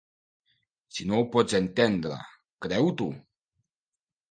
Si no ho pots entendre, creu-t'ho.